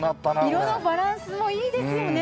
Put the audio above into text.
色のバランスもいいですよね。